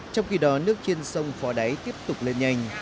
trong khi đó nước trên sông phò đáy tiếp tục lên nhanh